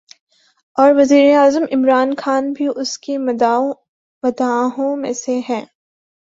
اور وزیراعظم عمران خان بھی اس کے مداحوں میں سے ہیں